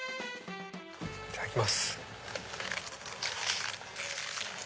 いただきます。